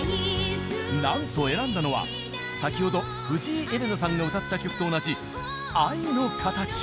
なんと選んだのは先ほど藤井エレナさんが歌った曲と同じ『アイノカタチ』。